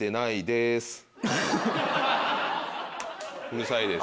うるさいです